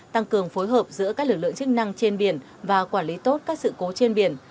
tăng cường phối hợp giữa các lực lượng chức năng trên biển và quản lý tốt các sự cố trên biển